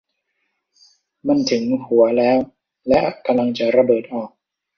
มันถึงหัวแล้วและกำลังจะระเบิดออก !